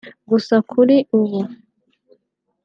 Gusa kuri ubu